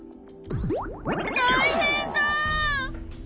たいへんだ！